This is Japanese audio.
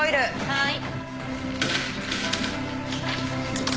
はい。